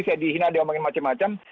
saya dihina dia omongin macam macam